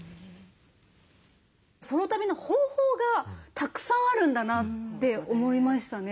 ソロ旅の方法がたくさんあるんだなって思いましたね。